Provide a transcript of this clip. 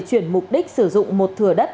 chuyển mục đích sử dụng một thừa đất